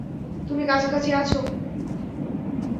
তুমি কাছাকাছি আছো?